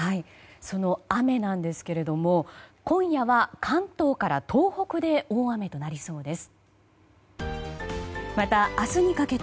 その雨なんですが今夜は関東から東北で大雨となりそうです。